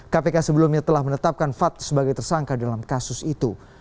kpk sebelumnya telah menetapkan fad sebagai tersangka dalam kasus itu